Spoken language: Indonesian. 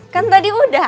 kan tadi udah